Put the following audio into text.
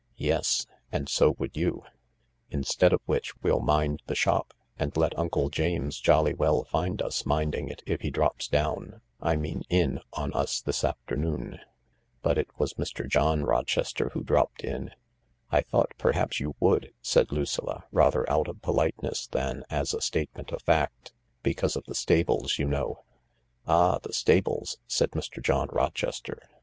" Yes — and so would you 1 Instead of which we'll mind the shop— and let Uncle James jolly well find us minding it if he drops down — I mean in — on us this afternoon." But it was Mr. John Rochester who dropped in. " I thought perhaps you would," said Lucilla, rather out of politeness than as a statement of fact, " because of the stables, you know." 11 Ah— the stables I " said Mr. John Rochester.